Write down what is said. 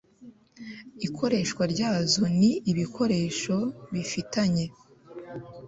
ikoreshwa ryazo n ibikoresho bifitanye